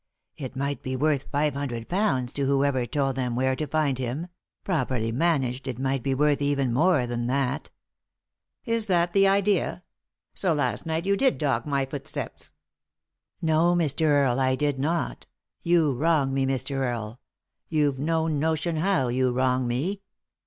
It might be worth five hundred pounds to whoever told them where to find him — properly managed it might be worth even more than that" " Is that the idea ? So last night you did dog my footsteps." 270 3i 9 iii^d by Google THE INTERRUPTED KISS " No, Mr. Earie, I did not ; you wrong me, Mr. Earie ; you've no notion how you wrong me.